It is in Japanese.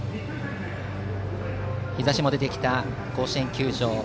日ざしも出てきた甲子園球場。